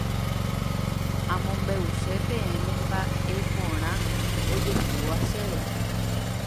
Amombe'use peẽme mba'eporã ojehúva chéve.